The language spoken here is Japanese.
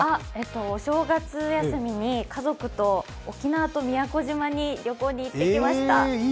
お正月休みに家族と沖縄と宮古島に旅行に行ってきました。